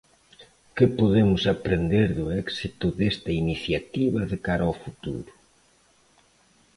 Que podemos aprender do éxito desta iniciativa de cara o futuro?